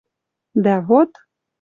Дӓ вот